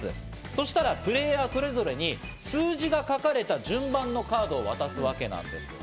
そうしたらプレーヤーそれぞれに数字が書かれた順番のカードを渡すわけなんです。